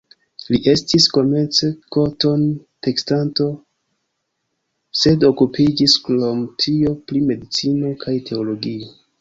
Li estis komence koton-teksanto, sed okupiĝis krom tio pri medicino kaj teologio.